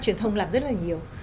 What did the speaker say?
truyền thông làm rất là nhiều